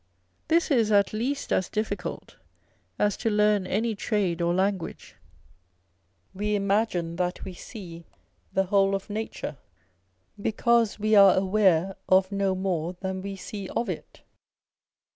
This is at least as difficult as to learn any trade or language. We imagine that we see the whole of nature, because we are aware of no more than we see of it.